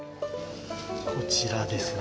こちらですね。